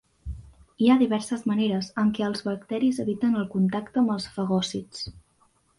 Hi ha diverses maneres en què els bacteris eviten el contacte amb els fagòcits.